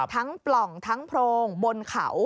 ทั้งปล่องทั้งพรงบนเขา